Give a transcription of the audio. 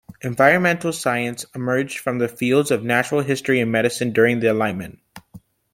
Environmental science emerged from the fields of natural history and medicine during the Enlightenment.